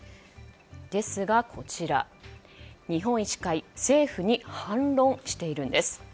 ですが、日本医師会政府に反論しているんです。